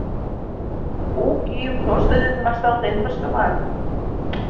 У кӱым тошто дене вашталтен пыштыман.